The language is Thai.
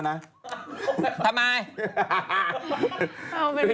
ทำไม